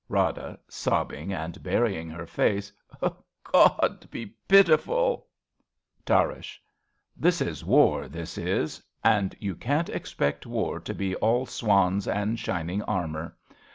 Rada {sobbing and burying her' face). God, be pitiful ! Tarrasch. This is war, this is ! And you can't expect war to be all swans and shining armour.